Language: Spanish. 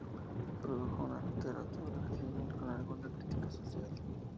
Produjo una literatura regional, con alguna crítica social.